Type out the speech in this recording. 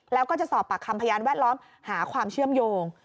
แล้วก็จะสอบปากคำพยานแวดล้อมหาความเชื่อมโยง